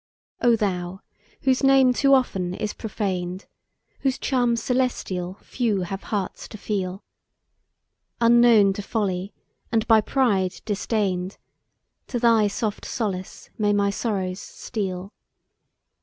O THOU! whose name too often is profaned; Whose charms celestial, few have hearts to feel; Unknown to Folly and by Pride disdain'd! To thy soft solace may my sorrows steal!